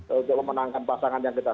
untuk memenangkan pasangan yang kita